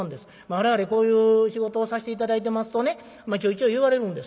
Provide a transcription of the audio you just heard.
我々こういう仕事をさせて頂いてますとねちょいちょい言われるんです。